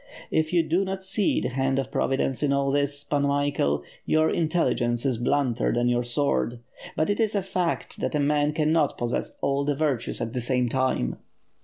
If you do not see the hand of Providence in all this. Pan Michael, your intelligence is blunter than your sword; but it is a fact that a man cannot possess all the virtues at the same time.'